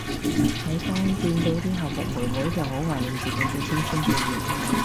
喺街見到啲校服妹妹就好懷緬自己嘅青春歲月